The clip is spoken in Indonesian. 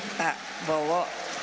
terima kasih pak bowo